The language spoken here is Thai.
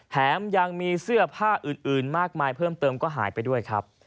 แถมยังมีเสื้อผ้าอื่นมากมายเพิ่มเติมก็หายไปด้วยครับ